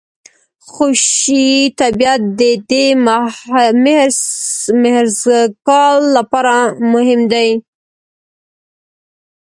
خوشي طبیعت د دې مهرسګال لپاره مهم دی.